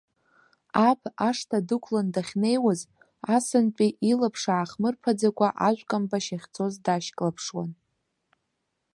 Аб, ашҭа дықәлан дахьнеиуаз, асынтәи илаԥш аахмырԥаӡакәа, ажәкамбашь ахьцоз дашьклаԥшуан.